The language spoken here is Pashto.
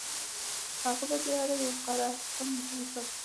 هغه په دې اړه يو اقرار هم وکړ.